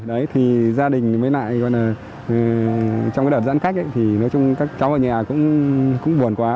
đấy thì gia đình mới nại còn là trong cái đợt giãn cách thì nói chung các cháu ở nhà cũng buồn quá